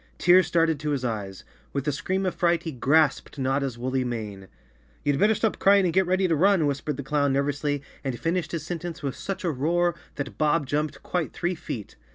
Tears started to his eyes. With a scream of fright, he grasped Notta's woolly mane. "You'd better stop crying and get ready to run," whispered the clown nervously and finished his sen¬ tence with such a roar that Bob jumped quite three feet.